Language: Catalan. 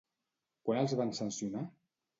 Quan els van sancionar?